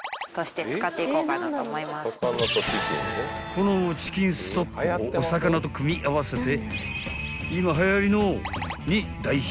［このチキンストックをお魚と組み合わせて］